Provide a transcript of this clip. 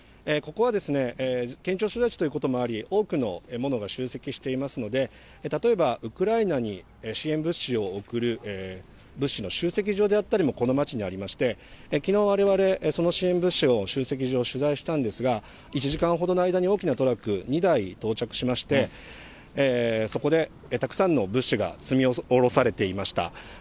ここは、県庁所在地ということもあり、多くのものが集積していますので、例えばウクライナに支援物資を送る、物資の集積場であったりも、この街にありまして、きのうわれわれ、その支援物資の集積場、取材したんですが、１時間ほどの間に大きなトラック２台到着しまして、そこでたくさんの物資が積み下ろされていました。